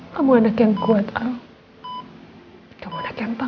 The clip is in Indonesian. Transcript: kamu mau lanjut bernee itu orang besarzah if she's with you